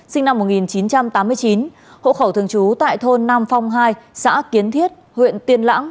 sinh năm một nghìn chín trăm tám mươi chín hộ khẩu thường trú tại thôn nam phong hai xã kiến thiết huyện tiên lãng